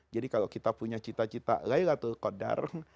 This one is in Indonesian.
jadi kalau kita punya cita cita